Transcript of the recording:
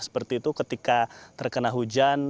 seperti itu ketika terkena hujan